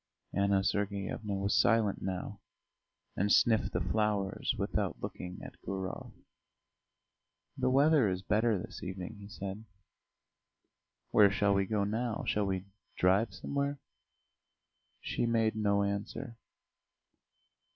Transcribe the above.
Anna Sergeyevna was silent now, and sniffed the flowers without looking at Gurov. "The weather is better this evening," he said. "Where shall we go now? Shall we drive somewhere?" She made no answer.